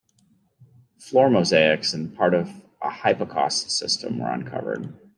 Floor mosaics and part of a hypocaust system were uncovered.